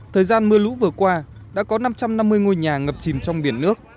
thời gian mưa lũ vừa qua đã có năm trăm năm mươi ngôi nhà ngập chìm trong biển nước